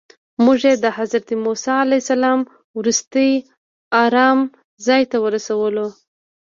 موږ یې د حضرت موسی علیه السلام وروستي ارام ځای ته ورسولو.